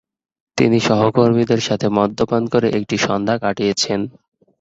তিনি তিন সহকর্মীর সাথে মদ্যপান করে একটি সন্ধ্যা কাটিয়েছিলেন।